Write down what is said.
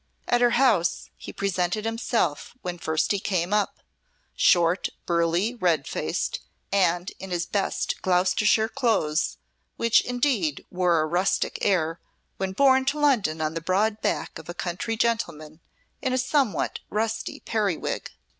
At her house he presented himself when first he came up short, burly, red faced, and in his best Gloucestershire clothes, which indeed wore a rustic air when borne to London on the broad back of a country gentleman in a somewhat rusty periwig.